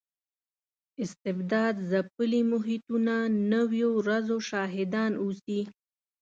استبداد ځپلي محیطونه نویو ورځو شاهدان اوسي.